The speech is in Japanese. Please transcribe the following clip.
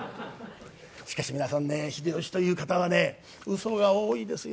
しかし皆さんね秀吉という方はねウソが多いですよ。